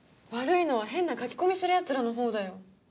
悪いのは変な書き込みするヤツらのほうだよ。